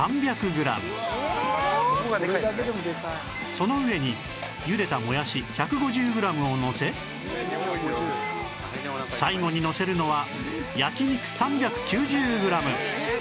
その上に茹でたもやし１５０グラムをのせ最後にのせるのは焼肉３９０グラム